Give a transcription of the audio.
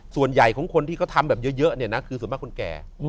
ส่วนใหญ่ของคนที่เขาทำแบบเยอะเนี่ยนะคือส่วนมากคนแก่